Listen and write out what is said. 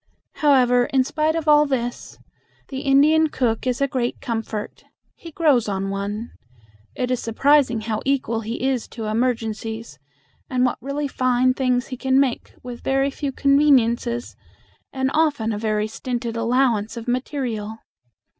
However, in spite of all this, the Indian cook is a great comfort. He grows on one. It is surprising how equal he is to emergencies and what really fine things he can make with very few conveniences and often a very stinted allowance of material.